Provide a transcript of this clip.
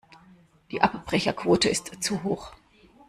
Die Abbrecherquote ist zu hoch.